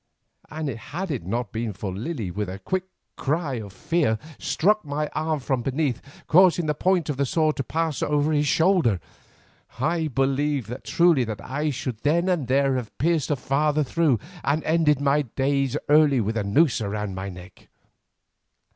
And had it not been that Lily with a quick cry of fear struck my arm from beneath, causing the point of the sword to pass over his shoulder, I believe truly that I should then and there have pierced her father through, and ended my days early with a noose about my neck.